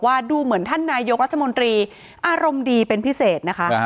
ดูเหมือนท่านนายกรัฐมนตรีอารมณ์ดีเป็นพิเศษนะคะ